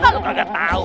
lo kagak tahu